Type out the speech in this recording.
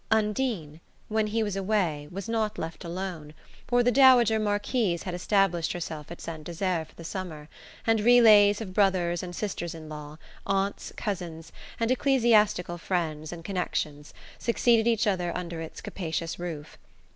Undine, when he was away, was not left alone, for the dowager Marquise had established herself at Saint Desert for the summer, and relays of brothers and sisters in law, aunts, cousins and ecclesiastical friends and connections succeeded each other under its capacious roof.